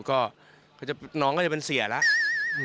ก็น้องก็จะเป็นเสียแล้ว